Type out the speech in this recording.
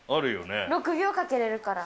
６秒かけれるから。